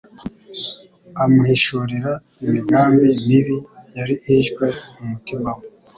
amuhishurira imigambi mibi yari ihishwe mu mutima we.